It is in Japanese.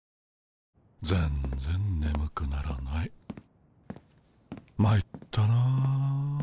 全然ねむくならないまいったな。